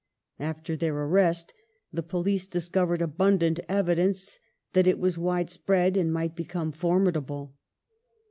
After their arrest the police discovered abundant evidence that it was widespread and might become formidable.